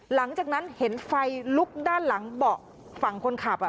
หลังจากนั้นเห็นไฟลุกด้านหลังเบาะฝั่งคนขับ